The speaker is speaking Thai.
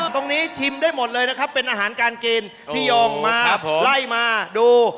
ตรงนี้ชิมได้หมดเลยนะครับเป็นอาหารการกินพี่ยองมาไล่มาดู